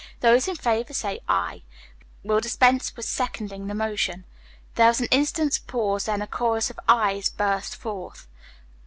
Those in favor say 'aye.' We'll dispense with seconding the motion." There was an instant's pause, then a chorus of "ayes" burst forth.